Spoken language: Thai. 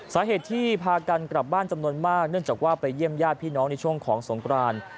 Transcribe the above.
สาเหตุที่พากันกลับบ้านจำนวนมากเนื่องจากว่าไปเยี่ยมญาติพี่น้องในช่วงของสงคราน